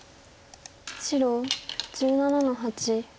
白１７の八。